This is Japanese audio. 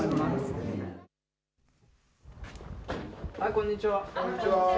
こんにちは。